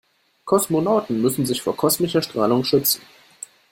Kosmonauten müssen sich vor kosmischer Strahlung schützen.